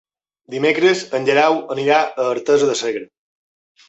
Dimecres en Guerau anirà a Artesa de Segre.